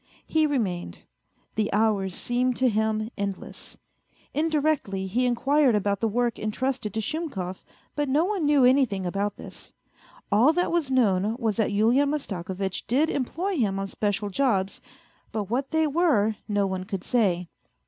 He remained. The hours seemed to him endless. Indirectly he inquired about the work entrusted to Shumkov, but no one knew anything about this. All that was known was that Yulian Mastakovitch did employ him on special jobs, but what they were no one could say.